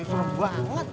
ini serem banget